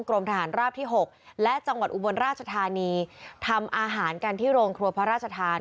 กรมทหารราบที่๖และจังหวัดอุบลราชธานีทำอาหารกันที่โรงครัวพระราชทาน